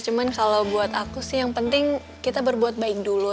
cuman kalau buat aku sih yang penting kita berbuat baik dulu